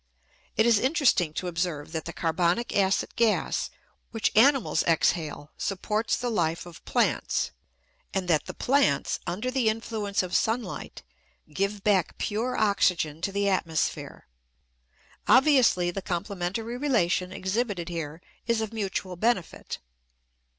It is interesting to observe that the carbonic acid gas which animals exhale supports the life of plants, and that the plants, under the influence of sunlight, give back pure oxygen to the atmosphere. Obviously, the complementary relation exhibited here is of mutual benefit.